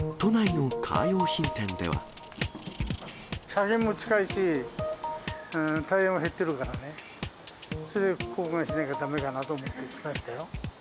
車検も近いし、タイヤも減ってるからね、それで交換しなきゃだめかなと思って来ましたよ。